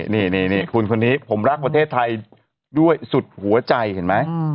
นี่คุณคนนี้ผมรักประเทศไทยด้วยสุดหัวใจเห็นไหม